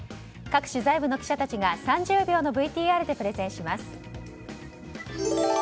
各取材部の記者たちが３０秒のＶＴＲでプレゼンします。